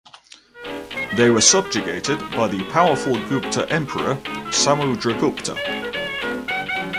They were subjugated by the powerful Gupta emperor Samudragupta.